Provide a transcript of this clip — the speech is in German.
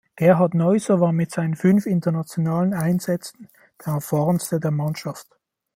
Gerhard Neuser war mit seinen fünf internationalen Einsätzen der Erfahrenste der Mannschaft.